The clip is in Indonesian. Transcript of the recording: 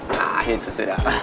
nah itu sudah